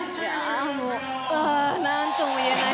ああ、何とも言えない。